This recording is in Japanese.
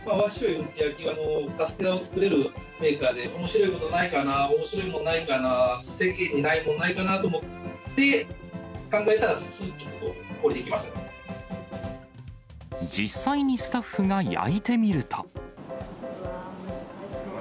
うんち焼き、カステラを作れるメーカーで、おもしろいことないかな、おもしろいもんないかな、世間にないものないかなと思って、考えたらす実際にスタッフが焼いてみると。